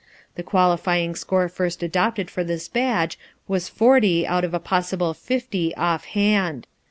The qualifying score first adopted for this badge was 40 out of a possible 50 "off hand."